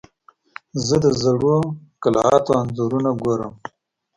زه د زړو قلعاتو انځورونه ګورم.